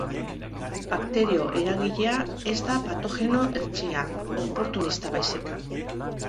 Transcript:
Bakterio eragilea ez da patogeno hertsia, oportunista baizik.